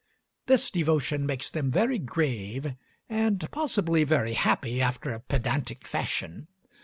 This devotion makes them very grave, and possibly very happy after a pedantic fashion.